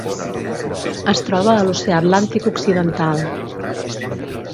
Es troba a l'Oceà Atlàntic occidental: